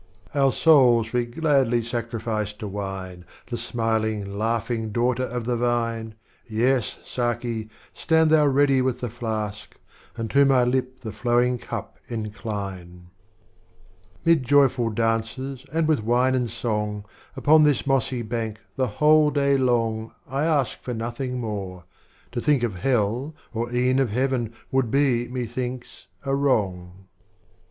Our Souls we gladly saci'ilice to Wine, The Smiling, Laughing Daughter of the Vine,^ Yes, Sdki, stand thou ready with the Flask, And to ray Lip the Flowing Cup incline. Strophes of Omar Khayyam. Mid Joj'ful Dancers and with Wine and Song, Upon this Mossy Bank the whole Day long, I ask for nothing more, — to think of Hell, Or e'en of Heaven, would be, methinks, a Wrong.